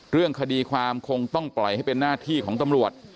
เรื่องคดีความคงต้องปล่อยให้เป็นหน้าที่ของตำรวจ